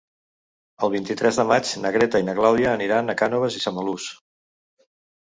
El vint-i-tres de maig na Greta i na Clàudia aniran a Cànoves i Samalús.